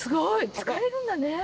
使えるんだね。